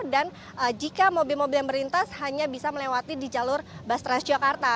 dan jika mobil mobil yang berlintas hanya bisa melewati di jalur bas transjakarta